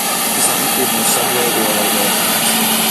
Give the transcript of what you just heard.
It does not include most subway or light rail lines.